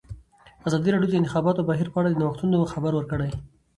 ازادي راډیو د د انتخاباتو بهیر په اړه د نوښتونو خبر ورکړی.